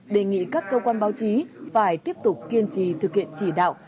đề nghị các cơ quan báo chí phải tiếp tục kiên trì thực hiện chỉ đạo